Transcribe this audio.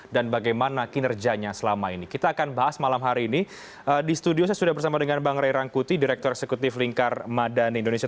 direktur eksekutif lingkar madan indonesia dua puluh lima